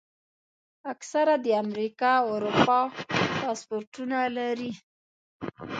اکثره د امریکا او اروپا پاسپورټونه لري.